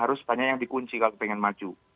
harus banyak yang dikunci kalau ingin maju